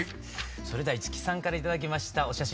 それでは五木さんから頂きましたお写真